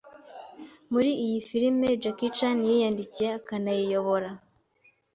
Muri iyi filime, Jackie Chan yiyandikiye akanayiyobora,